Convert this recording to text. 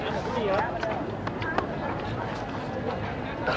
คุณผู้ชมอีกก็ได้ค่ะ